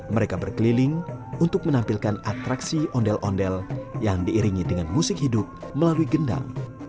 mereka berkeliling untuk menampilkan atraksi ondel ondel yang diiringi dengan musik hidup melalui gendang